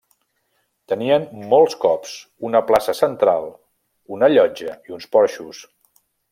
Tenien molts cops una plaça central, una llotja i uns porxos.